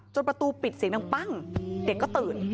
จนประตูปิดเสียงต่างเด็กก็ตื่น